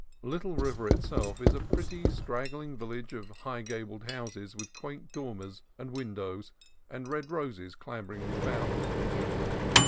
Little River itself is a pretty, straggling village of high gabled houses with quaint dormers and win dows, and red roses clambering all about.